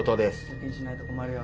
貯金しないと困るよ。